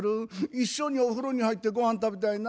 一緒にお風呂に入って御飯食べたいな。